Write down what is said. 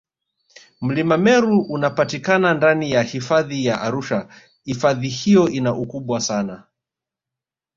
Mlima Meru unapatikana ndani ya Hifadhi ya Arusha ifadhi hiyo ina ukubwa sana